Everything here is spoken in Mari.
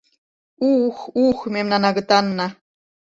Ух-ух, мемнан агытанна!..